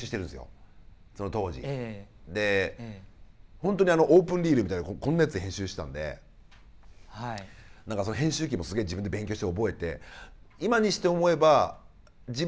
本当にあのオープンリールみたいなこんなやつで編集してたんで何かその編集機もすげえ自分で勉強して覚えて。